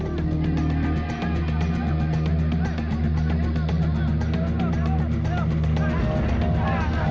perawat pengantiku dalam bahaya